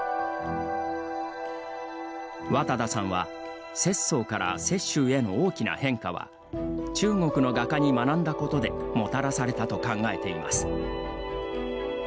綿田さんは拙宗から雪舟への大きな変化は中国の画家に学んだことでもたらされたと考えています。